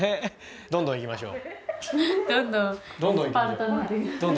どんどんいきましょう。